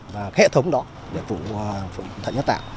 và hệ thống đó để phục vụ thợ nhân tạo